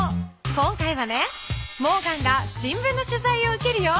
今回はねモーガンが新聞のしゅざいを受けるよ。